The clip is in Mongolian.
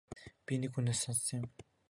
Би нэг хүнээс сонссон юм.